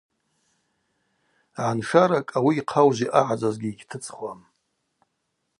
Гӏаншаракӏ ауи йхъа ужвы йъагӏадзазгьи йгьтыцӏхуам.